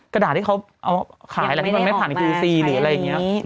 กระดาษที่เขาเอาขายอะไรที่มันไม่ผ่านคือซีหรืออะไรอย่างนี้